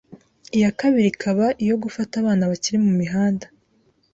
Iya kabiri ikaba iyo gufata abana bakiri mu mihanda